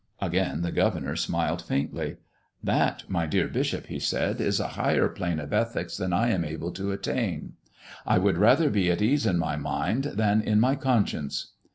Again the governor smiled faintly. "That, my dear bishop," he said, "is a higher plane of ethics than I am able to attain. I would rather be at ease in my mind than in my conscience."